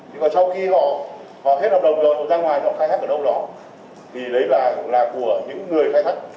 nhưng mà sau khi họ hết hợp đồng rồi họ ra ngoài họ khai thác ở đâu đó thì đấy là của những người khai thác